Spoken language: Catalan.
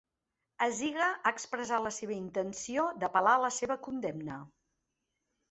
Aziga ha expressat la seva intenció d'apel·lar la seva condemna.